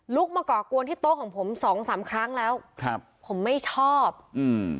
มาก่อกวนที่โต๊ะของผมสองสามครั้งแล้วครับผมไม่ชอบอืม